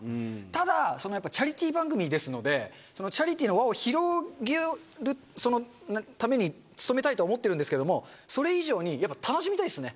ただチャリティー番組ですので、そのチャリティーの輪を広げるために努めたいとは思ってるんですけども、それ以上に、やっぱ楽しみたいですね。